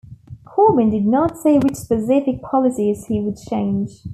Corbyn did not say which specific policies he would change.